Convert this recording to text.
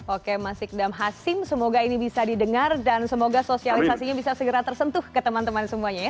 oke mas sikdam hasim semoga ini bisa didengar dan semoga sosialisasinya bisa segera tersentuh ke teman teman semuanya ya